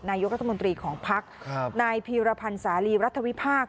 นายกรัฐมนตรีของภักดิ์นายพีรพันธ์สาลีรัฐวิพากษ์